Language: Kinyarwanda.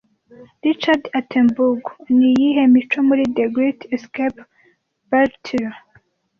Richard Attenbourough niyihe mico muri The Great Escape Bartlett